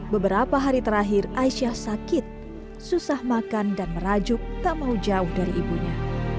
beberapa hari terakhir aisyah sakit susah makan dan merajuk tak mau jauh dari ibunya